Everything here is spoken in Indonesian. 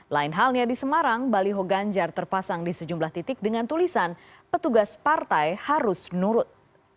lain halnya di semarang baliho ganjar terpasang di sejumlah titik dengan tulisan petugas partai harus nurut